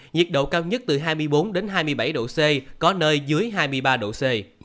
nhiệt độ cao nhất từ hai mươi bốn hai mươi bảy độ c có nơi dưới hai mươi ba độ c